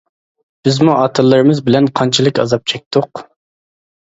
بىزمۇ ئاتلىرىمىز بىلەن قانچىلىك ئازاب چەكتۇق.